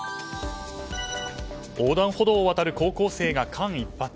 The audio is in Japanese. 横断歩道を渡る高校生が間一髪。